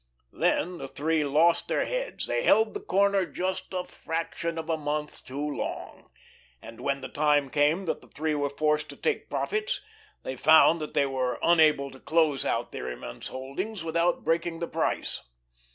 Then the three lost their heads; they held the corner just a fraction of a month too long, and when the time came that the three were forced to take profits, they found that they were unable to close out their immense holdings without breaking the price.